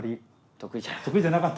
得意じゃなかった。